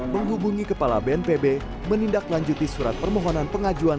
menghubungi kepala bnpb menindaklanjuti surat permohonan pengajuan